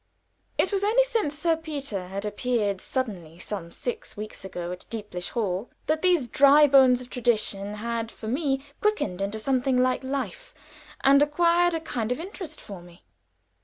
It was only since Sir Peter had appeared suddenly some six weeks ago at Deeplish Hall, that these dry bones of tradition had for me quickened into something like life, and had acquired a kind of interest for me.